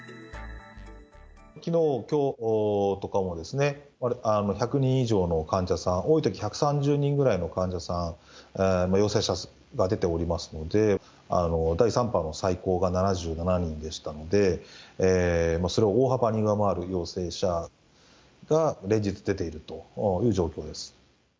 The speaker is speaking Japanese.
きのう、きょうとかも、１００人以上の患者さん、多いとき１３０人ぐらいの患者さんの陽性者が出ておりますので、第３波の最高が７７人でしたので、それを大幅に上回る陽性者が連日出ているという状況です。